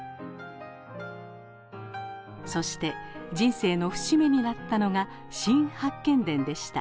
そして人生の節目になったのが「新八犬伝」でした。